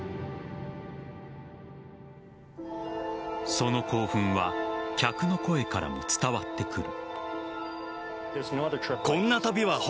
その興奮は客の声からも伝わってくる。